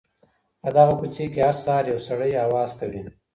په دغه کوڅې کي هر سهار یو سړی اواز کوي.